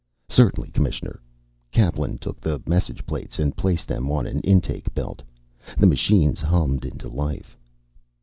"Certainly, Commissioner." Kaplan took the message plates and placed them on an intake belt. The machines hummed into life.